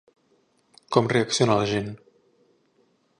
Com reacciona la gent?